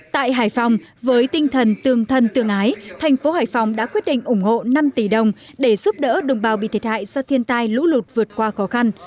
tại hải phòng với tinh thần tương thân tương ái thành phố hải phòng đã quyết định ủng hộ năm tỷ đồng để giúp đỡ đồng bào bị thiệt hại do thiên tai lũ lụt vượt qua khó khăn